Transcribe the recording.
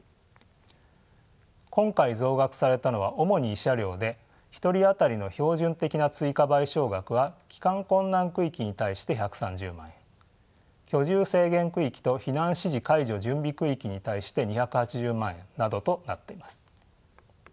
今回増額されたのは主に慰謝料で１人当たりの標準的な追加賠償額は帰還困難区域に対して１３０万円居住制限区域と避難指示解除準備区域に対して２８０万円などとなっています。